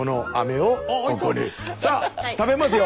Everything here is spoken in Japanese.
さあ食べますよ。